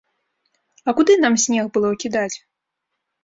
А куды нам снег было кідаць?